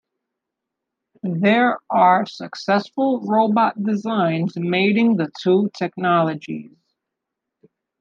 There are successful robot designs mating the two technologies.